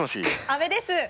阿部です！